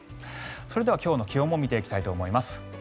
それでは今日の気温も見ていきたいと思います。